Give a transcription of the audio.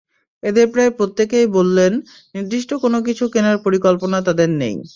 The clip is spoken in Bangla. এঁদের প্রায় প্রত্যেকেই বললেন, নির্দিষ্ট কোনো কিছু কেনার পরিকল্পনা তাঁদের নেই।